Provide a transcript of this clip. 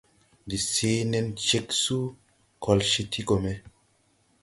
Ndi sèe nen ceg suu, kol cee ti go me.